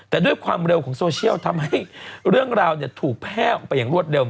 แต่ด้วยความเร็วของโซเชียลทำให้เรื่องราวถูกแพร่ออกไปอย่างรวดเร็ว